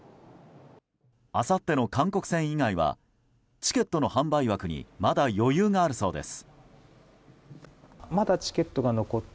あさっての韓国戦以外はチケットの販売枠にまだ余裕があるそうです。